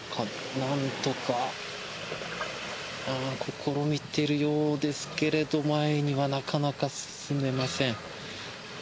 なんとか試みてるようですけれど前にはなかなか進めません。